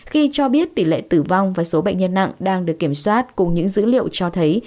khi cho biết tỷ lệ tử vong và số bệnh nhân nặng đang được kiểm soát cùng những dữ liệu cho thấy